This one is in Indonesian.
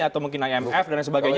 atau mungkin imf dan sebagainya